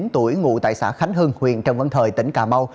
ba mươi chín tuổi ngụ tại xã khánh hưng huyện trần văn thời tỉnh cà mau